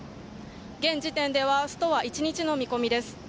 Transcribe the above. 現時点ではストは１日の見込みです。